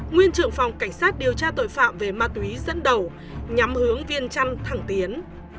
nguyên trưởng phòng cảnh sát điều tra tội phạm về ma túy dẫn đầu nhắm hướng viên trăn thẳng tiến